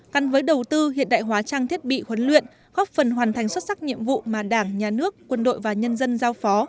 căn với đầu tư hiện đại hóa trang thiết bị huấn luyện góp phần hoàn thành xuất sắc nhiệm vụ mà đảng nhà nước quân đội và nhân dân giao phó